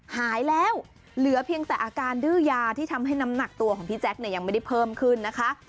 หายแล้วเหลือเพียงแต่อาการดื้อยาที่ทำให้น้ำหนักตัวของพี่แจ๊คเนี่ยยังไม่ได้เพิ่มขึ้นนะคะ